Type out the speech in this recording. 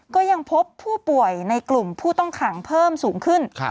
ก็ยังพบผู้ป่วยในกลุ่มผู้ต้องขังเพิ่มสูงขึ้น